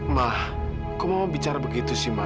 ma kenapa mama bicara begitu sih ma